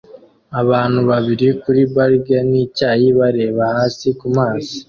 Abantu babiri kuri barge nicyayi bareba hasi kumazi